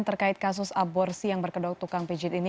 terkait kasus aborsi yang berkedok tukang pijit ini